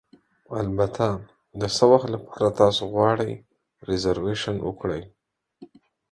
البته، د څه وخت لپاره تاسو غواړئ ریزرویشن وکړئ؟